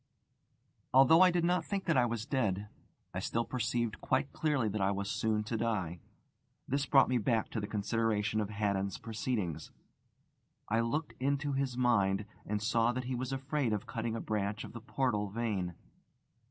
Although I did not think that I was dead, I still perceived quite clearly that I was soon to die. This brought me back to the consideration of Haddon's proceedings. I looked into his mind, and saw that he was afraid of cutting a branch of the portal vein.